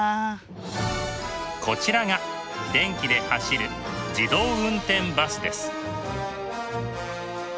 こちらが電気で走る自動運転バスです。